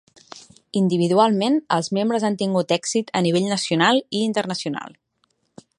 Individualment, els membres han tingut èxit a nivell nacional i internacional.